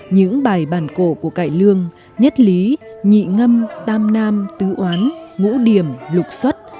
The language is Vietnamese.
những bài bản cổ của cải lương nhất lý nhị ngâm tam nam tứ oán ngũ điểm lục xuất